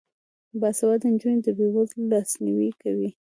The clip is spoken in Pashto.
باسواده نجونې د بې وزلو لاسنیوی کوي.